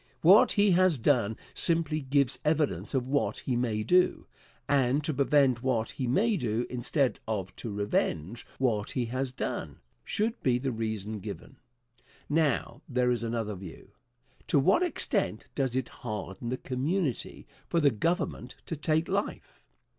What he has done simply gives evidence of what he may do, and to prevent what he may do, instead of to revenge what he has done, should be the reason given. Now, there is another view. To what extent does it harden the community for the Government to take life?